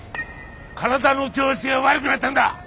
体の調子が悪くなったんだ！